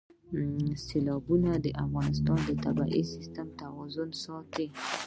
سیلابونه د افغانستان د طبعي سیسټم توازن ساتي.